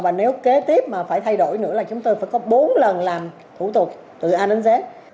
và nếu kế tiếp mà phải thay đổi nữa là chúng tôi phải có bốn lần làm thủ tục từ a đến z